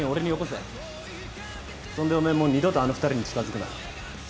そんでおめえもう二度とあの２人に近づくな。